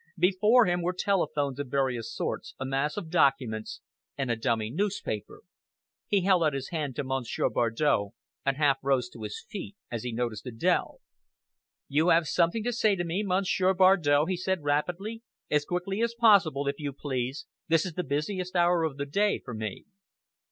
Before him were telephones of various sorts, a mass of documents, and a dummy newspaper. He held out his hand to Monsieur Bardow, and half rose to his feet as he noticed Adèle. "You have something to say to me, Monsieur Bardow?" he said rapidly. "As quickly as possible, if you please! This is the busiest hour of the day for me."